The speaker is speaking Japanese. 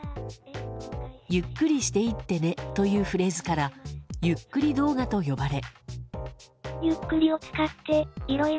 ゆっくりしていってねというフレーズからゆっくり動画と呼ばれ。